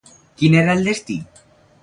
Quin era el destí?